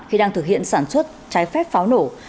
khi đang thực hiện sản xuất trái phép pháo nổ